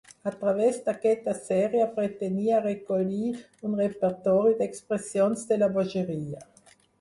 A través d'aquesta sèrie pretenia recollir un repertori d'expressions de la bogeria.